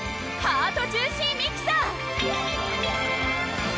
ハートジューシーミキサー！